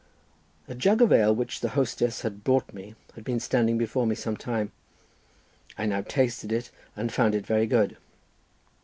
A jug of ale which the hostess had brought me had been standing before me some time. I now tasted it and found it very good.